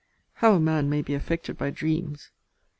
How a man may be affected by dreams!